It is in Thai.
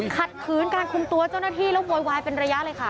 ขัดขืนการคุมตัวเจ้าหน้าที่แล้วโวยวายเป็นระยะเลยค่ะ